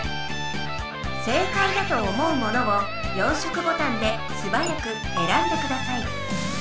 正解だと思うものを４色ボタンですばやくえらんでください。